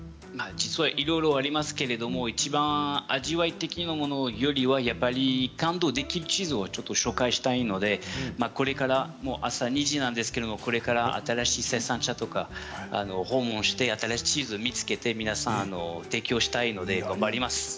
いろいろありますけれど、いちばん味わい的なものよりは感動できるチーズを紹介したいので今、朝２時なんですけれどもこれから新しい生産者を訪問して新しいチーズを見つけて、皆さんに提供したいので頑張ります。